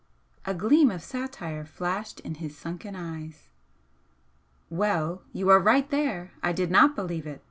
A gleam of satire flashed in his sunken eyes. "Well, you are right there! I did not believe it.